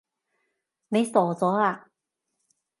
你傻咗呀？